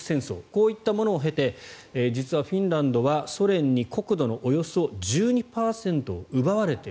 こういったものを経て実はフィンランドはソ連に国土のおよそ１２％を奪われた。